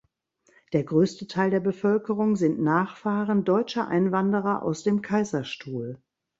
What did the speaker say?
Der größte Teil der Bevölkerung sind Nachfahren deutscher Einwanderer aus dem Kaiserstuhl.